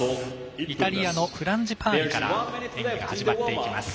イタリアのフランジパーニから演技が始まっていきます。